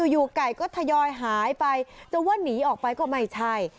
อยู่ไก่ก็ทยอยหายไปจะว่าหนีออกไปก็ไม่ใช่